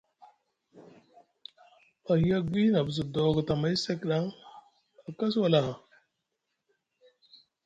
Ahiyagwi na buza doogo ta amay sek, a kasi wala aha.